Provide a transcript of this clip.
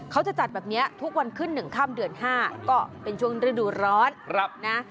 เขาจะจัดแบบนี้ทุกวันขึ้น๑ค่ำเดือน๕ก็เป็นช่วงฤดูร้อนนะ